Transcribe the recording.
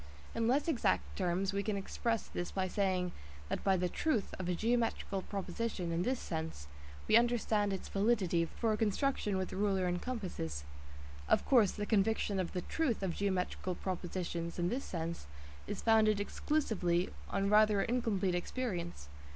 In less exact terms we can express this by saying that by the "truth" of a geometrical proposition in this sense we understand its validity for a construction with rule and compasses. Of course the conviction of the "truth" of geometrical propositions in this sense is founded exclusively on rather incomplete experience.